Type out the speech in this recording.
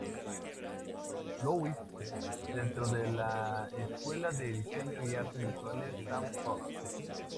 Louis, dentro del la escuela de Diseño y Artes Visuales Sam Fox.